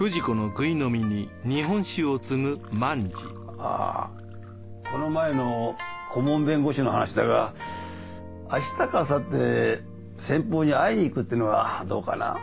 あぁこの前の顧問弁護士の話だが明日かあさって先方に会いに行くっていうのはどうかな？